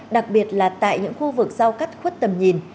đặc biệt là tại những khu vực giao cắt khuất tầm nhìn